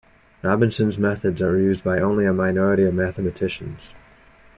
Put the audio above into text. Robinson's methods are used by only a minority of mathematicians.